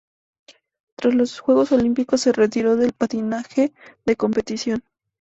Tras los Juegos Olímpicos, se retiró del patinaje de competición.